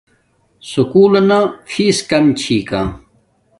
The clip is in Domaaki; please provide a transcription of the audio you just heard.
سکُول لنا فیس کم چھی کا